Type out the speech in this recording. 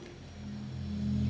terima kasih bu mohon maaf